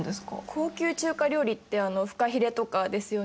高級中華料理ってあのフカヒレとかですよね。